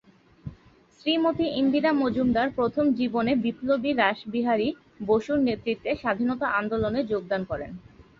শ্রীমতী ইন্দিরা মজুমদার প্রথম জীবনে বিপ্লবী রাসবিহারী বসুর নেতৃত্বে স্বাধীনতা আন্দোলনে যোগদান করেন।